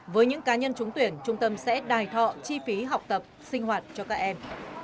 với những cá nhân trúng tuyển trung tâm sẽ đài thọ chi phí học tập sinh hoạt cho các em